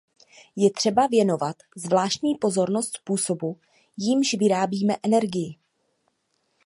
Je třeba věnovat zvláštní pozornost způsobu, jímž vyrábíme energii.